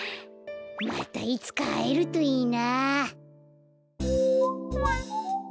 またいつかはえるといいな。